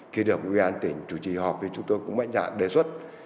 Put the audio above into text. khi được ubnd tỉnh chủ trì họp thì chúng tôi cũng mạnh dạng đề xuất